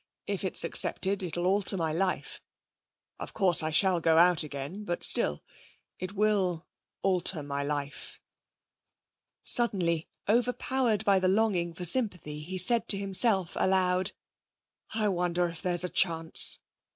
'If it's accepted it'll alter all my life. Of course I shall go out again. But still it will alter my life.' Suddenly, overpowered by the longing for sympathy, he said to himself aloud. 'I wonder if there's a chance.'